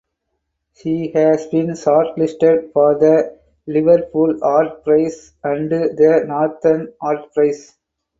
She has been shortlisted for the Liverpool Art Prize and the Northern Art Prize.